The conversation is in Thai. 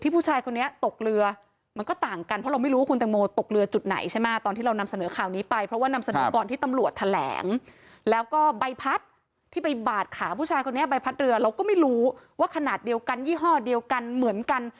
ผู้ชายคนนี้ไปพัดเรือเราก็ไม่รู้ว่าขนาดเดียวกันยี่ห้อเดียวกันเหมือนกัน